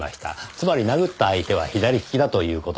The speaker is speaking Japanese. つまり殴った相手は左利きだという事です。